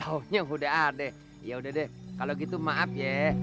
kagak ada yang nyatronin enggak taunya udah ada ya udah deh kalau gitu maaf ya